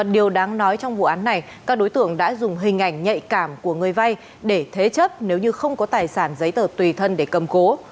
điều đáng nói trong vụ án này các đối tượng đã dùng hình ảnh nhạy cảm của người vay để thế chấp nếu như không có tài sản giấy tờ tùy thân để cầm cố